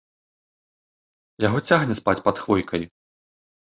Яго цягне спаць пад хвойкаю.